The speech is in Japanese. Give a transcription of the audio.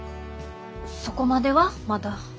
そこまではまだ。